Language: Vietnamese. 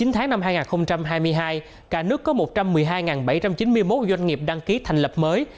chín tháng năm hai nghìn hai mươi hai cả nước có một trăm một mươi hai bảy trăm chín mươi một doanh nghiệp đăng ký thành lập mới